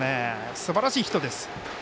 すばらしいヒットです。